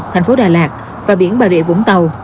tp đà lạt và biển bà rịa vũng tàu